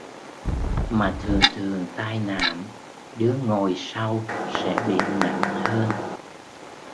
mà thường thường tai nạn đứa ngồi sau sẽ bị nặng hơn